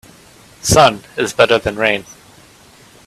Sun is better than rain.